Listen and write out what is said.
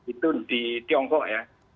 itu di tiongkok ya